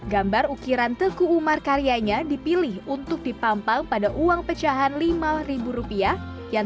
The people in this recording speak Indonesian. gambar ukiran teku umar karyanya dipilih untuk dipampang pada uang pecahan lima ribu rupiah yang